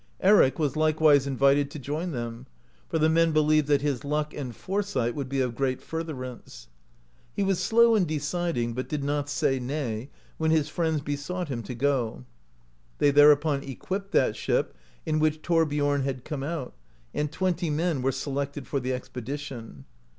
Eric was h'kewise invited to join them, for the men beh^eved that his luck and fore sight would be of great furtherance. He was slow in deciding, but did not say nay, when his friends besought him to go. They thereupon equipped that ship in which Thorbiom had come out, and twenty men were selected for the expedition.